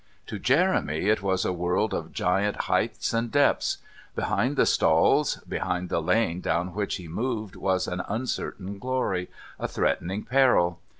To Jeremy it was a world of giant heights and depths. Behind the stalls, beyond the lane down which he moved, was an uncertain glory, a threatening peril.